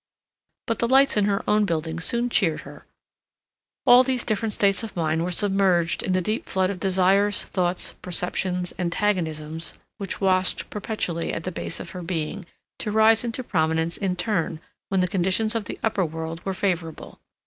But the lights in her own building soon cheered her; all these different states of mind were submerged in the deep flood of desires, thoughts, perceptions, antagonisms, which washed perpetually at the base of her being, to rise into prominence in turn when the conditions of the upper world were favorable.